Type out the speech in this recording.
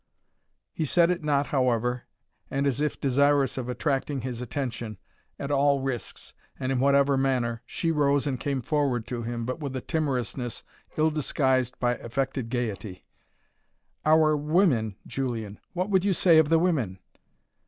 He said it not, however, and as if desirous of attracting his attention at all risks, and in whatever manner, she rose and came forward to him, but with a timorousness ill disguised by affected gaiety. "Our women, Julian what would you say of the women?"